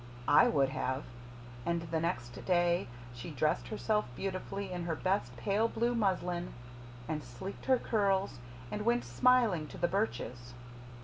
I would have. And the next day she dressed herself beautifully in her best pale blue muslin and sleeked her curls and went smiling to the birches.